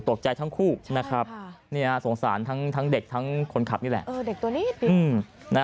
ตกใจทั้งคู่นะครับสงสารทั้งเด็กทั้งคนขับนี่แหละ